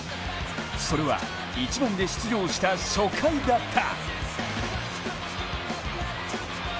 それは１番で出場した初回だった。